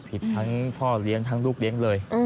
ผิดทั้งพ่อเลี้ยงทั้งลูกเลี้ยงเลย